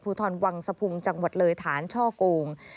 ภูทรวังสะพุงจังหวัดเลยฐานช่อโกง